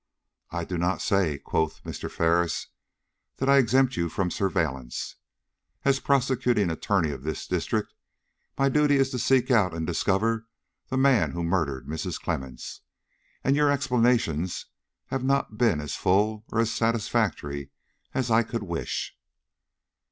"I do not say," quoth Mr. Ferris, "that I exempt you from surveillance. As prosecuting attorney of this district, my duty is to seek out and discover the man who murdered Mrs. Clemmens, and your explanations have not been as full or as satisfactory as I could wish."